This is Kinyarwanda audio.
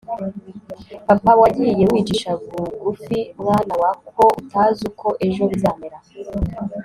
Papa wagiye wicisha bugufi mwana wa ko utazi uko ejo bizamera